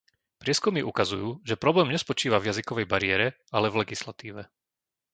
Prieskumy ukazujú, že problém nespočíva v jazykovej bariére, ale v legislatíve.